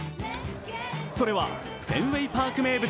それはフェンウェイ・パーク名物